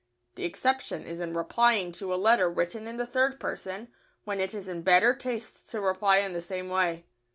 The exception is in replying to a letter written in the third person, when it is in better taste to reply in the same way.